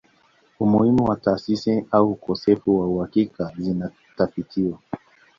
Umuhimu wa taasisi au ukosefu wa uhakika zinatafitiwa